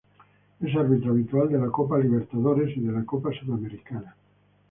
Es árbitro habitual de la Copa Libertadores y la Copa Sudamericana.